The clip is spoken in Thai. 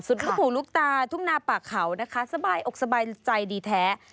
ลูกหูลูกตาทุ่งนาป่าเขานะคะสบายอกสบายใจดีแท้